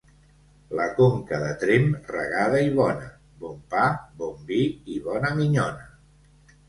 La Conca de Tremp regada i bona, bon pa, bon vi i bona minyona.